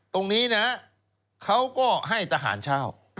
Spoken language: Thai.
ตรงนี้นะเขาก็ให้ทหารเช่า